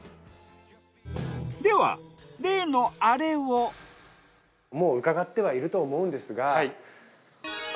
ではもう伺ってはいると思うんですが。